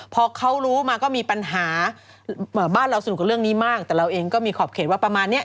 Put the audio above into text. พอเขารู้มาก็มีปัญหาบ้านเราสนุกกับเรื่องนี้มากแต่เราเองก็มีขอบเขตว่าประมาณเนี้ย